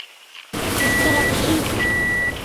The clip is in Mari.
— Вашкерак чий...